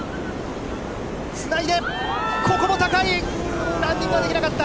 つないで、ここも高い、ランディングはできなかった。